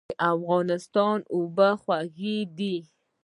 د افغانستان اوبه خوږې دي